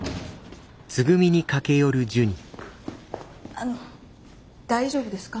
あの大丈夫ですか？